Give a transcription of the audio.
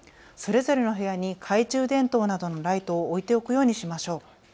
それぞれの部屋に懐中電灯などのライトを置いておくようにしましょう。